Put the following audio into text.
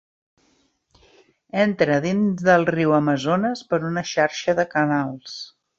Entra dins del riu Amazones per una xarxa de canals.